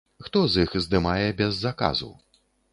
Хто з іх здымае без заказу?